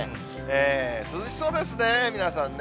涼しそうですね、皆さんね。